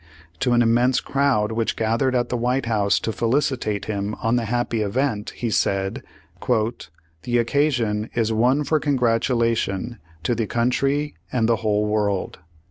To an immense crowd Vv^hich gathered at the White House to felicitate him on the happy event, he said: "The occasion is one for con gratulation to the country and the whole world."